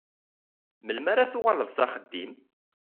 Melmi ara tuɣaleḍ s axeddim?